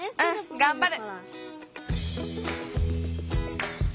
がんばる。